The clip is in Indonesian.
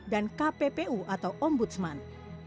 dan kppu atau ombudsman